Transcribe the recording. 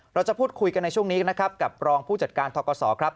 เราจะพูดคุยกันในช่วงนี้นะครับกับรองผู้จัดการทกศครับ